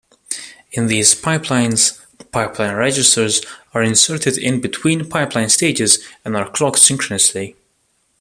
In these pipelines, "pipeline registers" are inserted in-between pipeline stages, and are clocked synchronously.